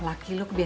maksudnya nah enek